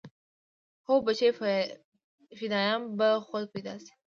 هو بچى فدايان به خود پيدا شي.